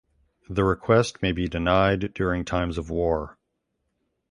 The request may be denied during times of war.